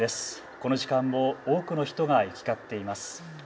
この時間も多くの人が行き交っています。